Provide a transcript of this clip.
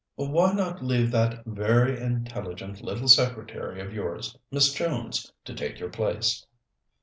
"Why not leave that very intelligent little secretary of yours, Miss Jones, to take your place?"